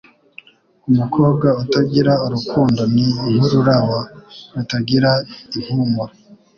Umukobwa utagira urukundoni nk’ururabo rutagira im pumuro